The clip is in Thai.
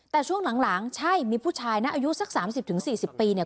แต่ช่วงหลังใช่มีผู้ชายนะอายุสัก๓๐๔๐ปีเนี่ย